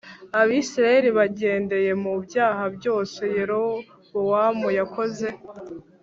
Abisirayeli bagendeye mu byaha byose Yerobowamu yakoze